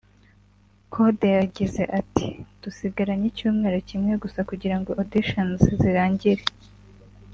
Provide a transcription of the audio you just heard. Kode yagize ati " Dusigaranye icyumweru kimwe gusa kugirango auditions zirangire